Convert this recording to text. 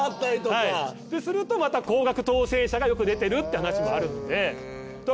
はいするとまた高額当選者がよく出てるって話もあるんですね。